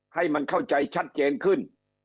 ให้มันเข้าใจชัดเจนขึ้น